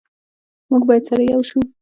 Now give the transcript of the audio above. موږ باید سره ېو شو